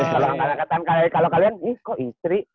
kalau angkatan sembilan puluh an kalau kalian ih kok istri